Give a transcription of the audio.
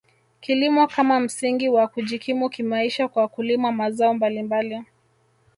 Kilimo kama msingi wa kujikimu kimaisha kwa kulima mazao mbalimbali